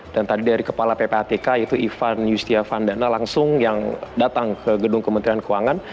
dan tadi dari kepala ppatk yaitu ivan yustiavandana langsung yang datang ke gedung kementerian keuangan